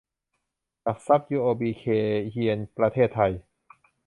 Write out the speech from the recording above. หลักทรัพย์ ยูโอบี เคย์เฮียน ประเทศไทย